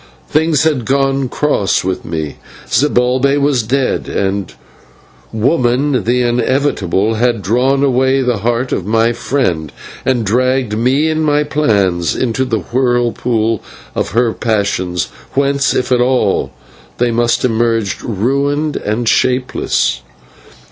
Things had gone cross with me; Zibalbay was dead, and Woman, the inevitable, had drawn away the heart of my friend and dragged me and my plans into the whirlpool of her passion, whence, if at all, they must emerge ruined and shapeless.